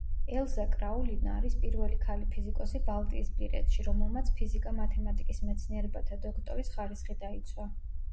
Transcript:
ელზა კრაულინა არის პირველი ქალი ფიზიკოსი ბალტიისპირეთში, რომელმაც ფიზიკა-მათემატიკის მეცნიერებათა დოქტორის ხარისხი დაიცვა.